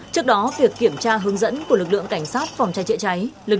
trước đó việc kiểm tra hướng dẫn của lực lượng cảnh sát và cứu nạn cứu hộ công an tỉnh hòa bình